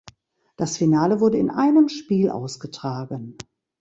Das Finale wurde in einem Spiel ausgetragen.